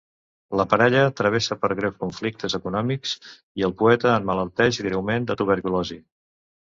La parella travessa per greus conflictes econòmics i el poeta emmalalteix greument de tuberculosi.